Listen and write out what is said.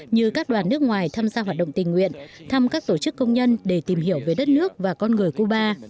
như các đoàn nước ngoài tham gia hoạt động tình nguyện thăm các tổ chức công nhân để tìm hiểu về đất nước và con người cuba